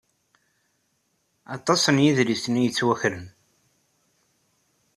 Aṭas n yedlisen ay yettwakren.